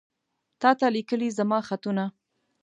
تاته ليکلي زما خطونه